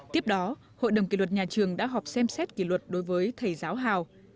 tiếp đó hội đồng kỷ luật nhà trường đã họp xem xét kỷ luật đối với thầy giáo hà